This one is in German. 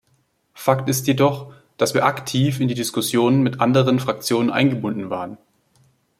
Fakt ist jedoch, dass wir aktiv in die Diskussionen mit anderen Fraktionen eingebunden waren.